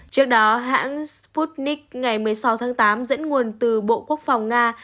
trước đó hãng sputnik ngày một mươi sáu tháng tám dẫn nguồn từ bộ quốc phòng nga